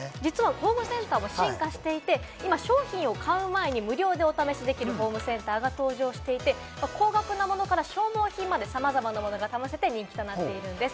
ホームセンターも進化していて、今商品を買う前に無料でお試しできるホームセンターが登場していて、高額なものから消耗品まで、さまざまなものが試せて人気となっているんです。